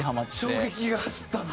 衝撃が走ったんだ。